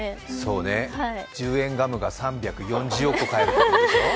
そうね、１０円ガムが３４０億個買えるってことでしょう？